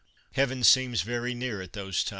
Heaven seems very near at those times."